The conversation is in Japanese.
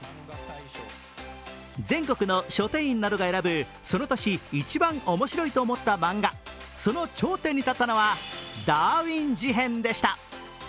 全国の書店員などが選ぶその年一番面白いと思った漫画、その頂点に立ったのは「ダーウィン事変」でした。